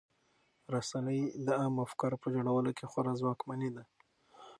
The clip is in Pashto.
رسنۍ د عامه افکارو په جوړولو کې خورا ځواکمنې دي.